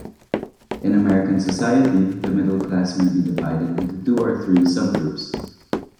In American society, the middle class may be divided into two or three sub-groups.